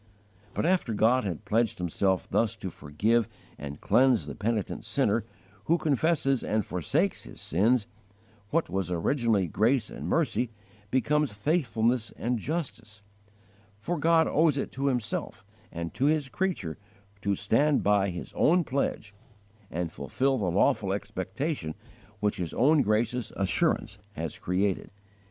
But, after God had pledged Himself thus to forgive and cleanse the penitent sinner who confesses and forsakes his sins,* what was originally grace and mercy becomes faithfulness and justice; for God owes it to Himself and to His creature to stand by His own pledge, and fulfil the lawful expectation which His own gracious assurance has created.